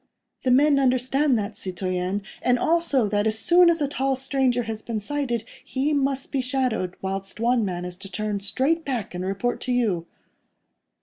"The men understand that, citoyen, and also that, as soon as a tall stranger has been sighted, he must be shadowed, whilst one man is to turn straight back and report to you."